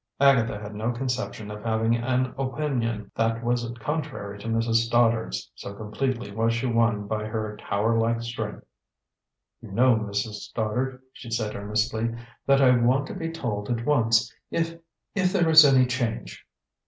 Agatha had no conception of having an opinion that was contrary to Mrs. Stoddard's, so completely was she won by her tower like strength. "You know, Mrs. Stoddard," she said earnestly, "that I want to be told at once, if if there is any change."